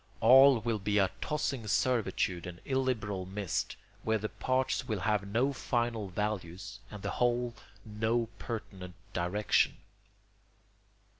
All will be a tossing servitude and illiberal mist, where the parts will have no final values and the whole no pertinent direction.